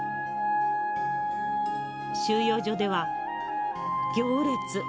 収容所では行列。